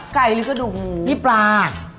หรือกระดูกงูนี่ปลา